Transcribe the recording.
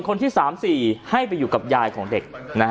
คนที่๓๔ให้ไปอยู่กับยายของเด็ก